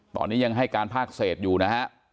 ตอนนี้ยังให้การภาคเศษอยู่นะฮะ